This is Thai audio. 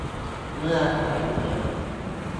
เมื่อหายเหนื่อย